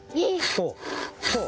そう。